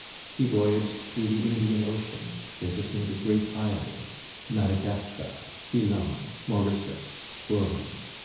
He voyaged through the Indian Ocean, visiting the great islands: Madagascar, Ceylon, Mauritius, Bourbon.